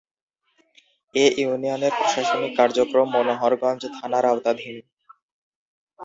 এ ইউনিয়নের প্রশাসনিক কার্যক্রম মনোহরগঞ্জ থানার আওতাধীন।